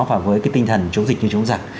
và với cái tinh thần chống dịch như chống giặc